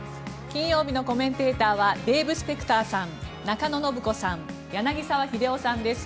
金曜日のコメンテーターはデーブ・スペクターさん中野信子さん、柳澤秀夫さんです